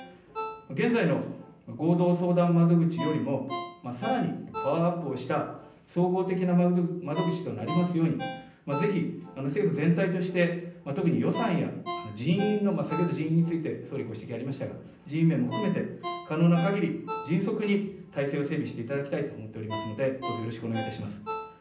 現在の合同相談窓口よりもさらにパワーアップをした総合的な窓口となりますように、ぜひ政府全体として、特に予算や人員の、先ほど、人員について総理、ご指摘ありましたが、人員面も含めて可能なかぎり迅速に体制を整備していただきたいと思っておりますので、どうぞよろしくお願いいたします。